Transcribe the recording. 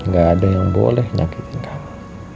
gak ada yang boleh nyakitin kamu